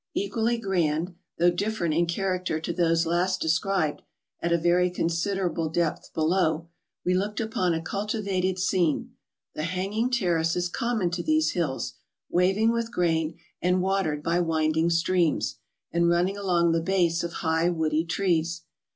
Equally grand, though different in character to those last described, at a very consider¬ able depth below, we looked upon a cultivated scene—the hanging terraces common to these hills, waving with grain, and watered by winding streams, and running along the base of high woody trees.